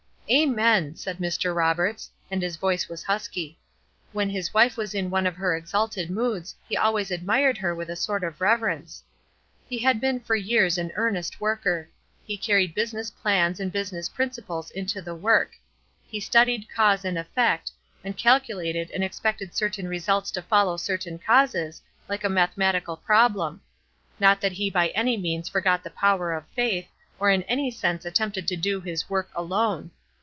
"Amen!" said Mr. Roberts, and his voice was husky. When his wife was in one of her exalted moods he always admired her with a sort of reverence. He had been for years an earnest worker. He carried business plans and business principles into the work; he studied cause and effect, and calculated and expected certain results to follow certain causes, like a mathematical problem; not that he by any means forgot the power of faith, or in any sense attempted to do his work alone.